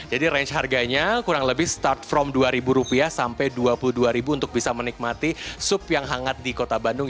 jadi range harganya kurang lebih mulai dari rp dua sampai rp dua puluh dua untuk bisa menikmati sup yang hangat di kota bandung